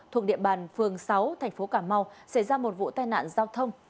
thuộc địa bàn phường sáu thành phố cà mau xảy ra một vụ tai nạn giao thông